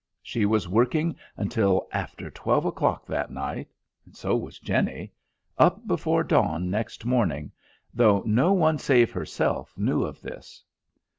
She was working until after twelve o'clock that night so was Jenny up before dawn next morning, though no one save herself knew of this.